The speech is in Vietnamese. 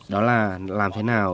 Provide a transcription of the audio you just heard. đó là làm thế nào